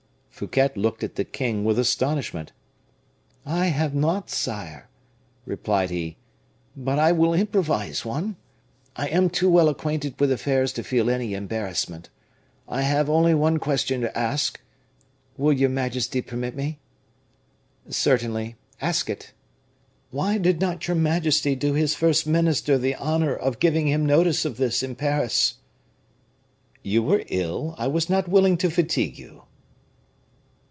Fouquet looked at the king with astonishment. "I have not, sire," replied he; "but I will improvise one. I am too well acquainted with affairs to feel any embarrassment. I have only one question to ask; will your majesty permit me?" "Certainly. Ask it." "Why did not your majesty do his first minister the honor of giving him notice of this in Paris?" "You were ill; I was not willing to fatigue you."